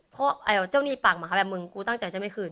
ปากมาแบบมึงกูตั้งใจจะไม่คืน